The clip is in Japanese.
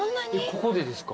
ここでですか？